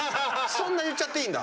そんな言っちゃっていいんだ。